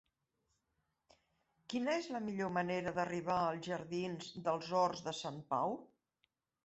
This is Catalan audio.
Quina és la millor manera d'arribar als jardins dels Horts de Sant Pau?